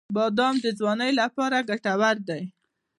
• بادام د ځوانۍ لپاره ګټور دی.